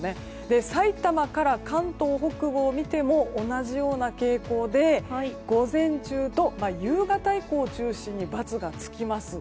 さいたまから関東北部を見ても同じような傾向で午前中と夕方以降を中心に×がつきます。